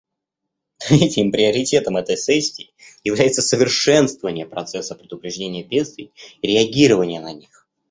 Третьим приоритетом этой сессии является совершенствование процесса предупреждения бедствий и реагирования на них.